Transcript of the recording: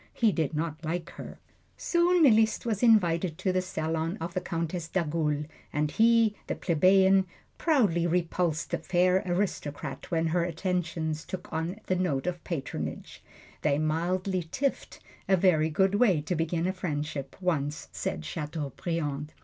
He did not like her. Soon Liszt was invited to the salon of the Countess d'Agoult, and he, the plebeian, proudly repulsed the fair aristocrat when her attentions took on the note of patronage. They mildly tiffed a very good way to begin a friendship, once said Chateaubriand.